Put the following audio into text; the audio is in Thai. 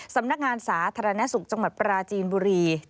สำนักงานสาธารณสุขจังหวัดปราจีนบุรี